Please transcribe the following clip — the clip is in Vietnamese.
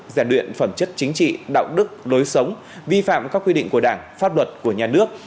giải luyện phẩm chất chính trị đạo đức lối sống vi phạm các quy định của đảng pháp luật của nhà nước